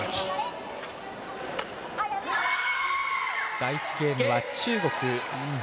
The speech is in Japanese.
第１ゲームは中国。